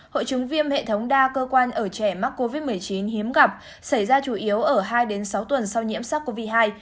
hội chứng viêm hệ thống đa cơ quan ở trẻ mắc covid một mươi chín hiếm gặp xảy ra chủ yếu ở hai sáu tuần sau nhiễm sars cov hai